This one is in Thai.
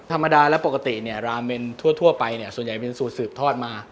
ธรรมดาและปกติราเมนทั่วไปส่วนใหญ่เป็นสูตรสืบทอดมา